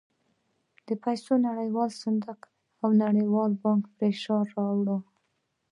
د پیسو نړیوال صندوق او نړیوال بانک پرې فشار راووړ.